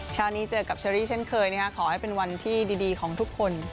เช้านี้เจอกับเชอรี่เช่นเคยขอให้เป็นวันที่ดีของทุกคน